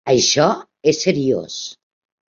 Això és seriós.